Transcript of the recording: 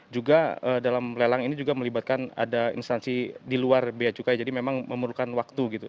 juga dalam lelang ini juga melibatkan ada instansi di luar biaya cukai jadi memang memerlukan waktu gitu